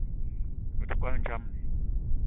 Me te kwal ndjamni